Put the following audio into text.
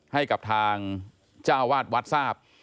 ให้กับทางเจ้าวาดวัดทราบ